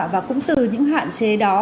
và cũng từ những hạn chế đó